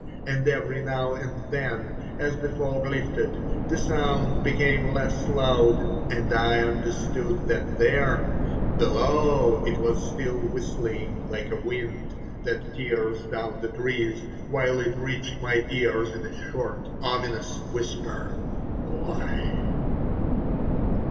And every now and then, as the fog lifted, the sound became less loud, and I understood that there—below—it was still whistling like a wind, that tears down the trees, while it reached my ears in a short, ominous whisper: "Lie!"